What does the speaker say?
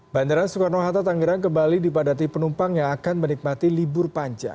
bandara soekarno hatta tangerang kembali dipadati penumpang yang akan menikmati libur panjang